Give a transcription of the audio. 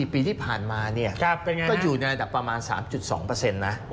ปีที่ผ่านมาก็อยู่ในระดับประมาณ๓๒นะ